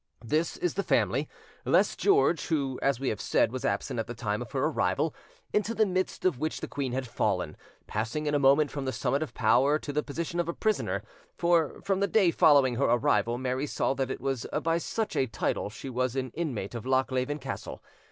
This is the family, less George, who, as we have said, was absent at the time of her arrival, into the midst of which the queen had fallen, passing in a moment from the summit of power to the position of a prisoner; for from the day following her arrival Mary saw that it was by such a title she was an inmate of Lochleven Castle.